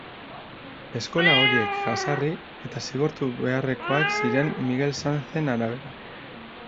Eskola horiek jazarri eta zigortu beharrekoak ziren Miguel Sanzen arabera.